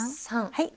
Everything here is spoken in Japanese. はい。